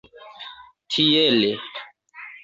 Tiele.